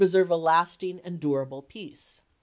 serve a lasting and durable peace."